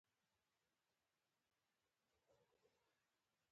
د افغانستان د اقتصادي پرمختګ لپاره پکار ده چې عدالت وي.